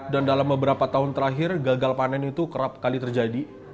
dan dalam beberapa tahun terakhir gagal panen itu kerap kali terjadi